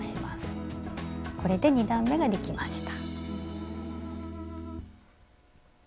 これで２段めができました。